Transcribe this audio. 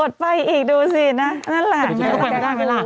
ไปอีกดูสินะนั่นแหละ